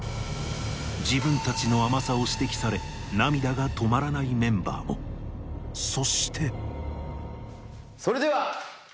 自分たちの甘さを指摘され涙が止まらないメンバーもそしてそれでは！